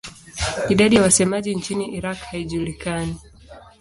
Idadi ya wasemaji nchini Iraq haijulikani.